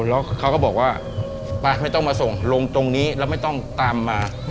แล้วเขาก็บอกว่าไปไม่ต้องมาส่งลงตรงนี้แล้วไม่ต้องตามมา